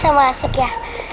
keren banget tempatnya